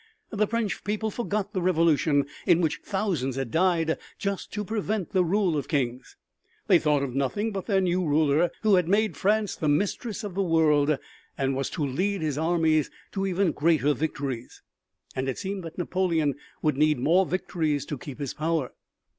The French people forgot the Revolution in which thousands had died just to prevent the rule of kings. They thought of nothing but their new ruler who had made France the mistress of the world and was to lead his armies to even greater victories. And it seemed that Napoleon would need more victories to keep his power.